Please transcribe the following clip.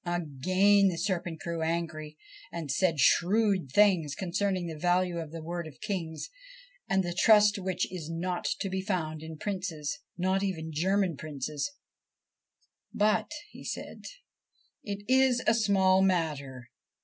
Again the serpent grew angry and said shrewd things con cerning the value of the word of kings, and the trust which is not to be found in princes not even German princes. 1 But,' said he, ' it is a small matter.